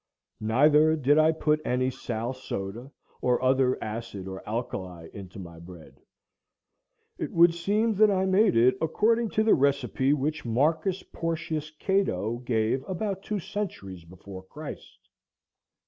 Neither did I put any sal soda, or other acid or alkali, into my bread. It would seem that I made it according to the recipe which Marcus Porcius Cato gave about two centuries before Christ.